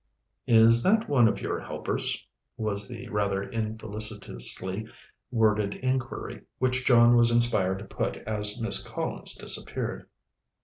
"Is that one of your helpers?" was the rather infelicitously worded inquiry which John was inspired to put as Miss Collins disappeared.